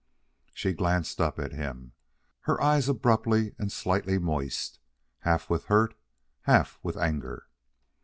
She glanced up at him, her eyes abruptly and slightly moist, half with hurt, half with anger.